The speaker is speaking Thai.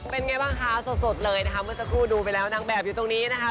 เป็นไงบ้างคะสดเลยนะคะเมื่อสักครู่ดูไปแล้วนางแบบอยู่ตรงนี้นะคะ